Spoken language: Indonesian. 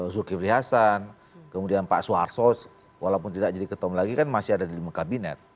zulkifri hasan kemudian pak suharto walaupun tidak jadi ketua umum lagi kan masih ada di lima kabinet